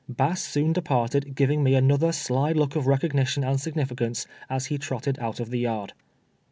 Bass soon departed, giving me an othur sly look of recognition and significance, as he trotted out of the yard.